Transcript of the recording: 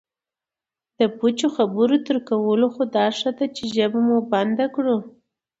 د پوچو خبرو تر کولو خو دا ښه دی چې ژبه مو بندي کړو